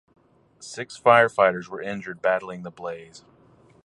Six firefighters were injured battling the blaze.